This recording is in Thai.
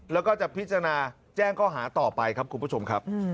แล้วก็จะพิจารณาแจ้งข้อหาต่อไปครับคุณผู้ชมครับ